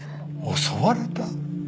襲われた？